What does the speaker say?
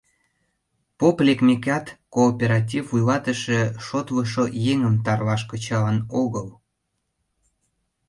Поп лекмекат, кооператив вуйлатыше шотлышо еҥым тарлаш кычалын огыл.